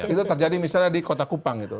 itu terjadi misalnya di kota kupang gitu